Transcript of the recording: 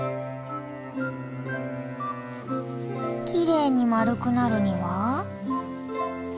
きれいに丸くなるには？